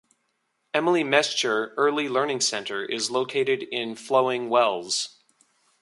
Emily Meschter Early Learning Center is located in Flowing Wells.